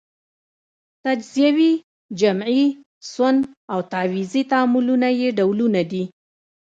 تجزیوي، جمعي، سون او تعویضي تعاملونه یې ډولونه دي.